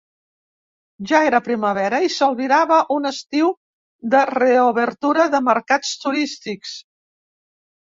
Ja era primavera i s’albirava un estiu de reobertura de mercats turístics.